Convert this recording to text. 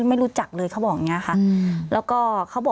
พี่เรื่องมันยังไงอะไรยังไง